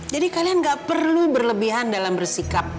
jadi kalian gak perlu berlebihan dalam bersikap